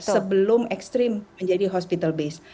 sebelum ekstrim menjadi hospital base